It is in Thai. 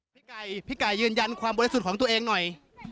พี่ไก่พี่ไก่ยืนยันความบริสุทธิ์ของตัวเองหน่อย